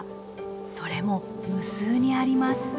それも無数にあります。